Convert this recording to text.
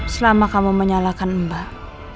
selama kamu menyalahkan mbak